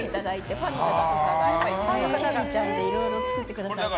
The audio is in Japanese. ファンの方とかがキティちゃんでいろいろ作ってくださって。